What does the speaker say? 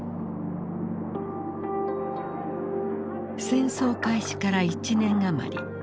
戦争開始から１年余り。